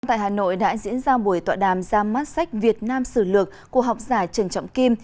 tại hà nội đã diễn ra buổi tọa đàm ra mắt sách việt nam sử lược của học giả trần trọng kim